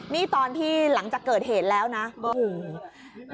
นี่ตอนที่หลังจากเกิดเหตุแล้วนะโอ้โห